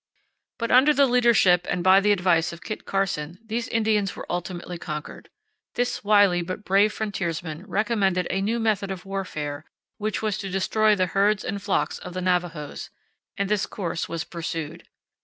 But under the leadership and by the advice of Kit Carson these Indians were ultimately conquered. This wily but brave frontiersman recommended a new method of warfare, which was to destroy the herds and flocks of the Navajos; and this course was pursued.